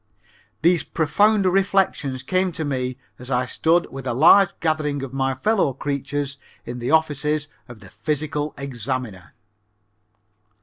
These profound reflections came to me as I stood with a large gathering of my fellow creatures in the offices of the physical examiner.